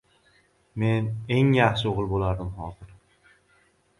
Men eng yaxshi oʼgʼil boʼlardim hozir.